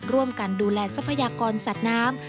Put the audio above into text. ร่วมกันดูแลทรัพยากรสัตว์น้ำ